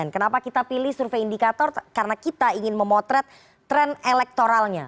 karena kita pilih survei indikator karena kita ingin memotret tren elektoralnya